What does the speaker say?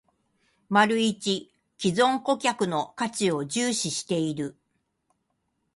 ① 既存顧客の価値を重視している